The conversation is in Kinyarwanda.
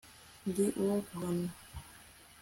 ndi uwo guhambwa